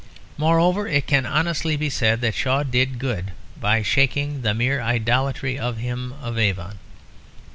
Moreover, it can honestly be said that Shaw did good by shaking the mere idolatry of Him of Avon.